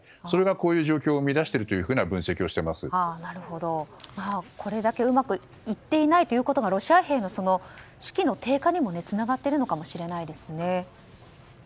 これがこういう状況を生み出しているというこれだけうまくいっていないということがロシア兵の士気の低下にもつながってるのかもしれないですね。